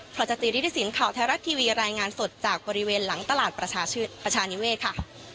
เพราะจะตีรีสินข่าวแท้รัฐทีวีรายงานสดจากบริเวณหลังตลาดประชาชื่นประชานิเวศค่ะ